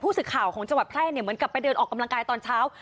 สื่อข่าวของจังหวัดแพร่เนี่ยเหมือนกับไปเดินออกกำลังกายตอนเช้า